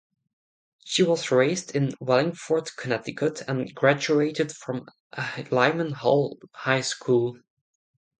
She was raised in Wallingford, Connecticut and graduated from Lyman Hall High School.